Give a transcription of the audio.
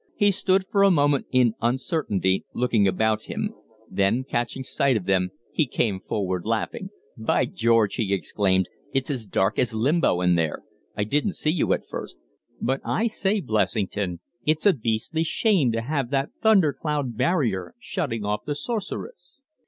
He stood for a moment in uncertainty, looking about him; then, catching sight of them, he came forward laughing. "By George!" he exclaimed, "it's as dark as limbo in there! I didn't see you at first. But I say, Blessington, it's a beastly shame to have that thunder cloud barrier shutting off the sorceress.